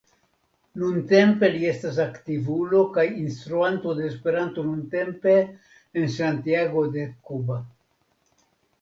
Nuntempe li estas aktivulo kaj instruanto de Esperanto nuntempe en Santiago de Cuba.